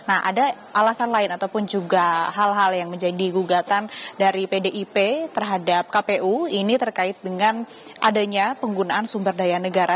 nah ada alasan lain ataupun juga hal hal yang menjadi gugatan dari pdip terhadap kpu ini terkait dengan adanya penggunaan sumber daya negara